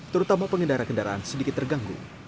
terutama pengendara kendaraan sedikit terganggu